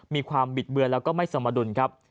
มีความบิดเบือนแล้วก็ไม่สมดุลครับ